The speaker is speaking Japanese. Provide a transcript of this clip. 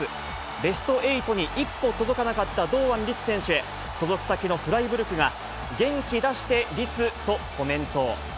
ベスト８に一歩届かなかった堂安律選手へ、所属先のフライブルクが、元気出して、リツ！とコメント。